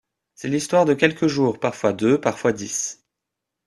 C’est l’histoire de quelques jours, parfois deux, parfois dix.